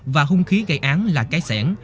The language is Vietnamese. và hung khí gây án là cái xẻng